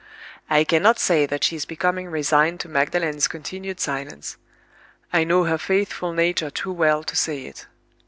"I cannot say that she is becoming resigned to Magdalen's continued silence—I know her faithful nature too well to say it.